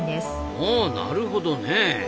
ほうなるほどね。